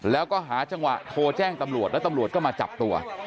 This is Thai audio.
แล้วก็หาจังหวะโทรแจ้งตำรวจแล้วตำรวจก็มาจับตัว